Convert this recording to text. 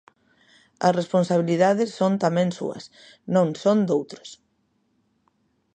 As responsabilidades son tamén súas, non son doutros.